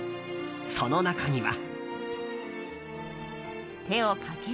その中には。